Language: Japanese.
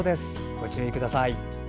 ご注意ください。